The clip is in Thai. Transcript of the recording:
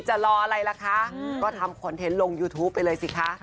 จะรออะไรล่ะคะก็ทำคอนเทนต์ลงยูทูปไปเลยสิคะ